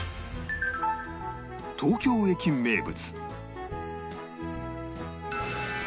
東京駅名物